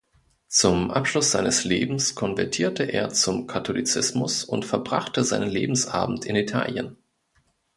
Zum Abschluss seines Lebens konvertierte er zum Katholizismus und verbrachte seinen Lebensabend in Italien.